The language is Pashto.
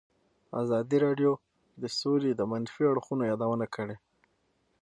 ازادي راډیو د سوله د منفي اړخونو یادونه کړې.